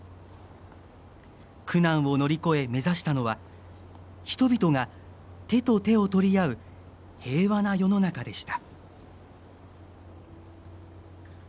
苦難を乗り越え、目指したのは人々が手と手を取り合う平和な世の中でした。